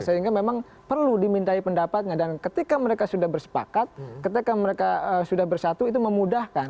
sehingga memang perlu dimintai pendapatnya dan ketika mereka sudah bersepakat ketika mereka sudah bersatu itu memudahkan